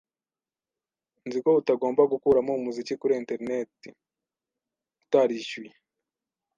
Nzi ko utagomba gukuramo umuziki kuri enterineti utarishyuye,